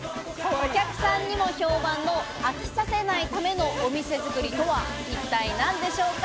お客さんにも評判の飽きさせないためのお店作りとは、一体何でしょうか？